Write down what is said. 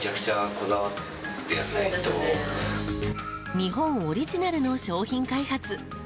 日本オリジナルの商品開発。